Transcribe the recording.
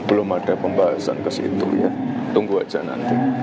belum ada pembahasan ke situ ya tunggu aja nanti